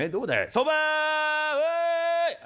「そばうい！」。